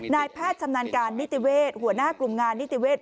นายแพทย์ชำนาญการนิติเวศหัวหน้ากลุ่มงานนิติเวศ